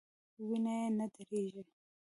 وینه یې نه دریږي.